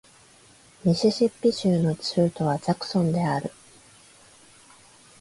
ミシシッピ州の州都はジャクソンである